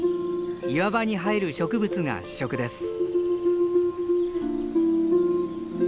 岩場に生える植物が主食です。